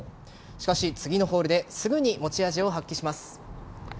しかし、次のホールですぐに持ち味を発揮します。